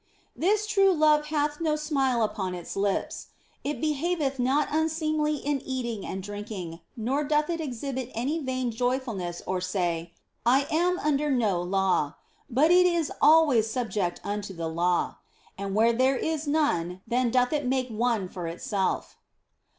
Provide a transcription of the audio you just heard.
This true love hath no smile upon its lips ; it behaveth not unseemly in eating and drinking, nor doth it exhibit any vain joyfulness or say, " I am under no law," but it is always subject unto the law ; and where there is none, then doth it make one for itself.